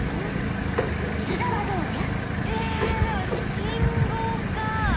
須田はどうじゃ？